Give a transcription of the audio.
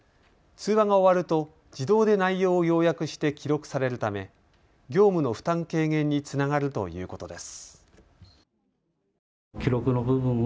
通話が終わると自動で内容を要約して記録されるため業務の負担軽減につながるということです。